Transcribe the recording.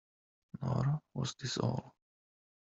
Nor was this all.